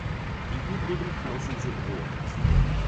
Die übrigen Flossen sind rot.